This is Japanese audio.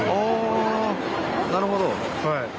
あなるほど。